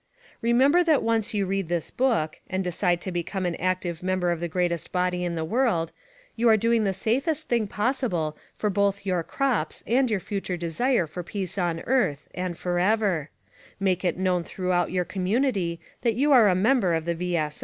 Remember that once you read this book, and decide to become an active member of the greatest body in the world, you are doing the safest thing 18 SPY PROOF AMERICA possible for both your crops and your future desire for peace on earth and forever Make it known throughout your community that you are a member of the V.